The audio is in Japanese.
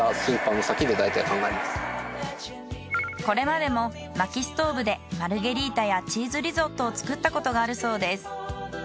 これまでも薪ストーブでマルゲリータやチーズリゾットを作ったことがあるそうです。